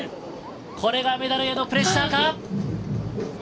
これがメダルへのプレッシャーか？